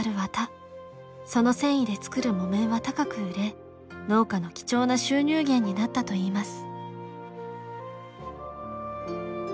その繊維で作る木綿は高く売れ農家の貴重な収入源になったといいます。